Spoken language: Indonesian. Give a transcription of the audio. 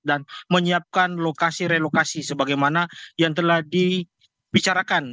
dan menyiapkan lokasi relokasi sebagaimana yang telah dibicarakan